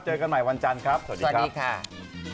เจอกันทุกคนนะครับเจอกันใหม่วันจันทร์ครับ